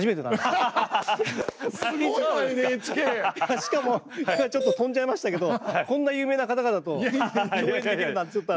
しかも今ちょっと飛んじゃいましたけどこんな有名な方々と共演できるなんてちょっとあの。